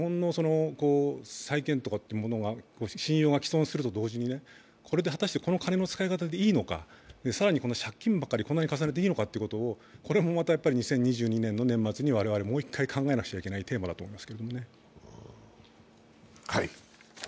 日本の再建の信用が毀損すると同時にこれで果たして、この金の使い方でいいのか、更に借金ばかりこんなに重ねていいのかというのは２０２２年の年末に我々もう一回考えなくちゃいけないテーマだと思います。